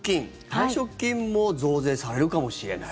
退職金も増税されるかもしれない。